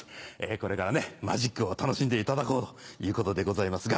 これからねマジックを楽しんでいただこうということでございますが。